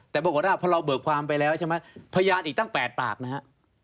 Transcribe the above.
แต่บวกพอเราเบิกความไปแล้วใช่มัยพยานอีกตั้งแปดปากนะครับ